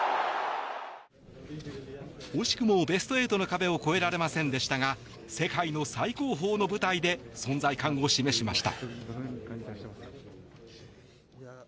惜しくもベスト８の壁を越えられませんでしたが世界の最高峰の舞台で存在感を示しました。